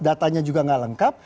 datanya juga nggak lengkap